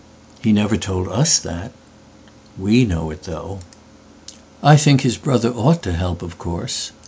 "He never told us that.""We know it though.""I think his brother ought to help, of course.